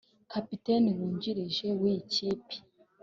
Kapiteni wungirije w’iyi kipe